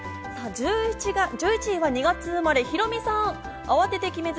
１１位は２月生まれ、ヒロミさん。